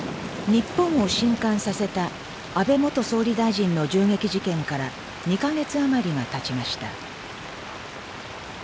日本を震撼させた安倍元総理大臣の銃撃事件から２か月余りがたちました。